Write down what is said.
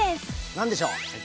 何でしょう？